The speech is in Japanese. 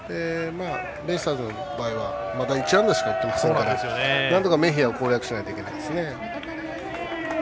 ベイスターズの場合はまだ１安打しか打っていませんからなんとかメヒアを攻略しないといけないですね。